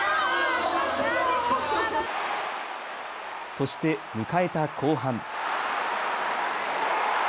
そして迎えた後半。